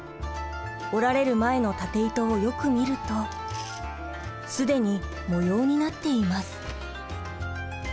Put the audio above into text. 織られる前の縦糸をよく見ると既に模様になっています。